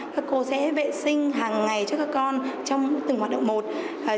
các cô sẽ vệ sinh hàng ngày cho các con trong từng hoạt động một